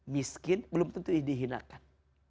miskin belum tentu dihinakan